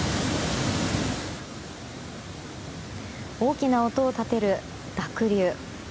大きな音を立てる濁流。